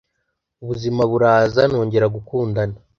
ubuzima buraza nongera gukundana